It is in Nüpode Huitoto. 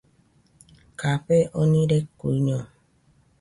Café oni rekuiño